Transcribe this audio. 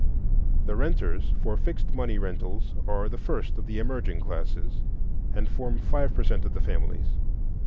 The renters for fixed money rentals are the first of the emerging classes, and form five per cent of the families.